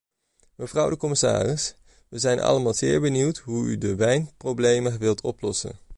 Mevrouw de commissaris, we zijn allemaal zeer benieuwd hoe u de wijnproblemen wilt oplossen.